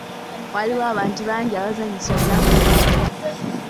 Waliwo abantu bangi abazanyisa obulamu bwabwe.